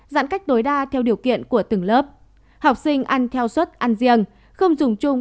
giãn cách tối đa theo điều kiện của từng lớp học sinh ăn theo suất ăn riêng không dùng chung